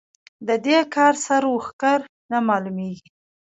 د دې کار سر و ښکر نه مالومېږي.